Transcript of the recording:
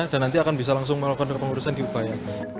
dan nanti akan bisa langsung melakukan kepengurusan di ubaya